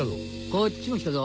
こっちも来たぞ。